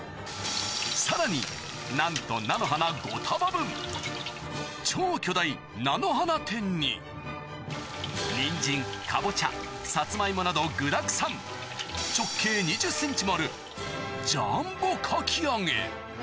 さらに、なんと菜の花５束分、超巨大菜の花天に、ニンジン、カボチャ、サツマイモなど具だくさん、直径２０センチもあるジャンボかき揚げ。